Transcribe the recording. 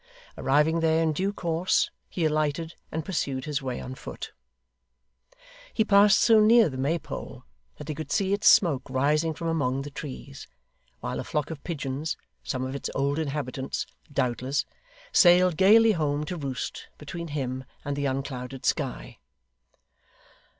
Arriving there in due course, he alighted and pursued his way on foot. He passed so near the Maypole, that he could see its smoke rising from among the trees, while a flock of pigeons some of its old inhabitants, doubtless sailed gaily home to roost, between him and the unclouded sky.